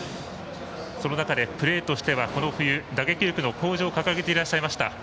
その中でプレーとしてはこの冬打撃力の向上を掲げていらっしゃいました。